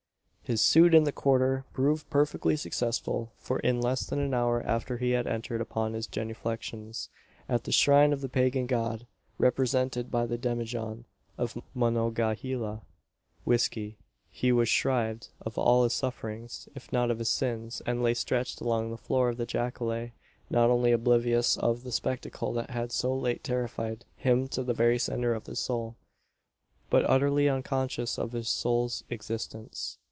His suit in this quarter proved perfectly successful; for in less than an hour after he had entered upon his genuflexions at the shrine of the pagan god represented by the demijohn of Monongahela whisky he was shrived of all his sufferings if not of his sins and lay stretched along the floor of the jacale, not only oblivious of the spectacle that had so late terrified him to the very centre of his soul, but utterly unconscious of his soul's existence.